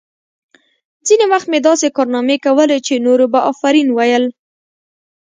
ځینې وخت مې داسې کارنامې کولې چې نورو به آفرین ویل